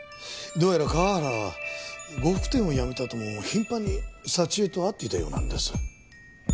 どうやら河原は呉服店を辞めたあとも頻繁に沙知絵と会っていたようなんです。